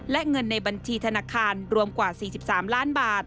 และเงินในบัญชีธนาคารรวมกว่า๔๓ล้านบาท